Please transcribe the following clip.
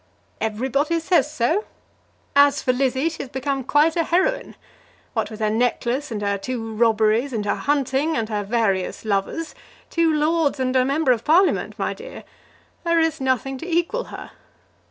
"Everybody says so. As for Lizzie, she has become quite a heroine. What with her necklace, and her two robberies, and her hunting, and her various lovers, two lords and a member of Parliament, my dear, there is nothing to equal her.